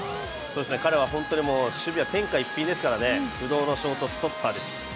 彼は本当に守備は天下一品ですから不動のストッパーです。